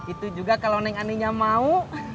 itu juga kalau neng aninya mau